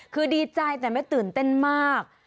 คือดีใจแต่ไม่ตื่นเต้นมาก